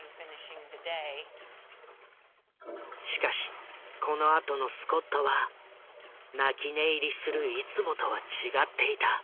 しかしこのあとのスコットは泣き寝入りするいつもとは違っていた。